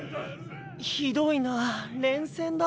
ひどいなぁ連戦だ。